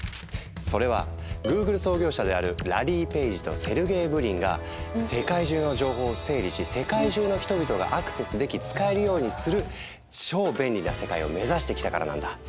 それはＧｏｏｇｌｅ創業者であるラリー・ペイジとセルゲイ・ブリンが世界中の情報を整理し世界中の人々がアクセスでき使えるようにする超便利な世界を目指してきたからなんだ。